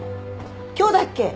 今日だっけ？